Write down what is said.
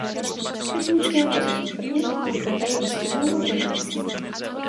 Technické muzeum v Brně je také výzkumnou organizací.